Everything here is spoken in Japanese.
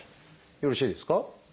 よろしいですか？